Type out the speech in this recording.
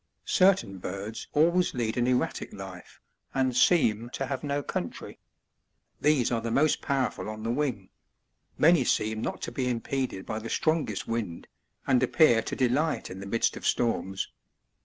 14. Certain birds always lead an erratic life, and seem to have no country : these are the most powerful on the wing ; many seem not to be impeded by the strongest wind, and appear to delight in the midst of storms.